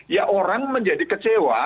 ya orang menjadi kecewa